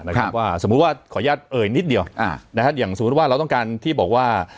ว่าสมมุติว่าขออนุญาตเอ่ยนิดเดียวอ่านะฮะอย่างสมมุติว่าเราต้องการที่บอกว่า